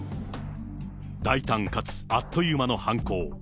大胆かつあっという間の犯行。